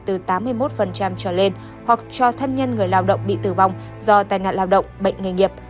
từ tám mươi một trở lên hoặc cho thân nhân người lao động bị tử vong do tai nạn lao động bệnh nghề nghiệp